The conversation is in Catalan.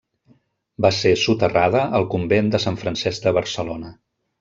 Va ser soterrada al convent de Sant Francesc de Barcelona.